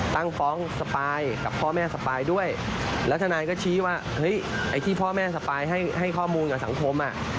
ตั้งฟ้องสปายกับพ่อแม่สปายด้วยแล้วทนายก็ชี้ว่าเฮ้ยไอ้ที่พ่อแม่สปายให้ข้อมูลกับสังคมอ่ะ